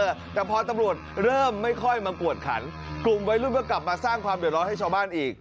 เออแต่พอตำรวจเริ่มไม่ค่อยมากวดขันกลุ่มวัยรุ่นก็กลับมาสร้างความเดือดร้อนให้ชาวบ้านอีก